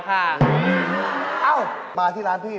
ของพี่ถูกสุด